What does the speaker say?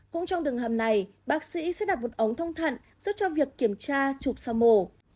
cũng trong đường hầm này bác sĩ sẽ đặt một ống thông thận giúp cho việc kiểm tra chụp sau mổ